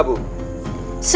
baik gusi prabu